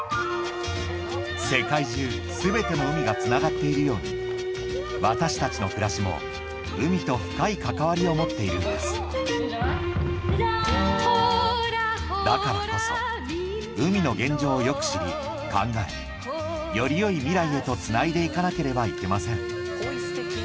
世界中すべての海がつながっているように私たちの暮らしも海と深い関わりを持っているんですだからこそ海の現状をよく知り考えよりよい未来へとつないでいかなければいけません